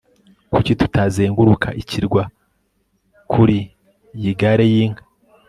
kuki tutazenguruka ikirwa kuri iyi gare y'inka